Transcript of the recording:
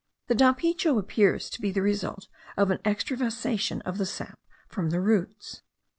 The dapicho appears to be the result of an extravasation of the sap from the roots.